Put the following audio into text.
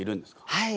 はい。